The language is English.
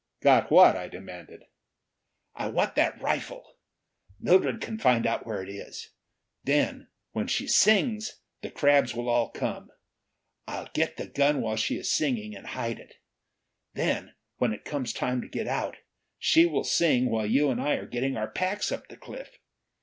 "Got what?" I demanded. "I want that rifle! Mildred can find out where it is. Then, when she sings, the crabs will all come. I'll get the gun, while she is singing, and hide it. Then when it comes time to get out, she will sing while you and I are getting our packs up the cliff.